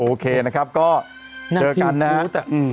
โอเคนะครับก็เจอกันนะครับ